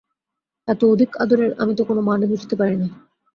এত অধিক আদরের আমি তো কোনো মানে বুঝিতে পারি না।